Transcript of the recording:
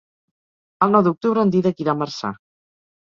El nou d'octubre en Dídac irà a Marçà.